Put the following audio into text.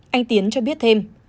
anh tiến cho biết thêm